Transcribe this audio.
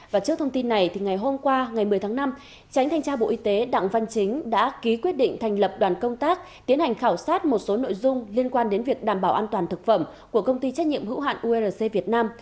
và trước thông tin này ngày hôm qua ngày một mươi tháng năm tránh thanh tra bộ y tế đặng văn chính đã ký quyết định thành lập đoàn công tác tiến hành khảo sát một số nội dung liên quan đến việc đảm bảo an toàn thực phẩm của công ty trách nhiệm hữu hạn urc việt nam